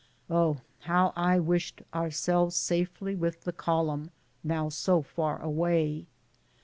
Oh, how I wished ourselves safely with the column, now so far away